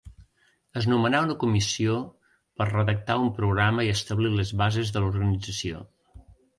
Es nomenà una comissió per redactar un programa i establir les bases de l'organització.